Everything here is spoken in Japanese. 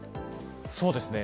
そうですね。